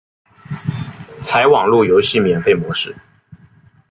采网路游戏免费模式。